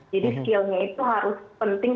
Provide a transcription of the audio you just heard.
jadi skillnya itu harus penting